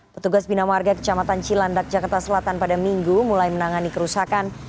petugas bina marga kecamatan cilandak jakarta selatan pada minggu mulai menangani kerusakan